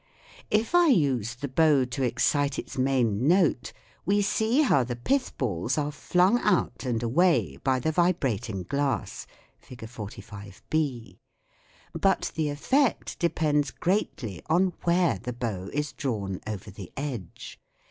If I use the bow to excite its main note, we see how the pith balls are flung out and away by the vibrating glass (Fig. 45, B}. But the effect depends greatly on where the bow is drawn over the edge.